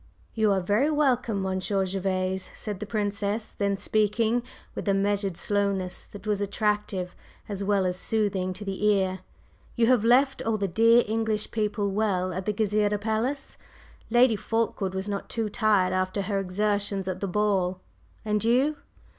"You are very welcome, Monsieur Gervase," said the Princess then, speaking with a measured slowness that was attractive as well as soothing to the ear. "You have left all the dear English people well at the Gezireh Palace? Lady Fulkeward was not too tired after her exertions at the ball? And you?"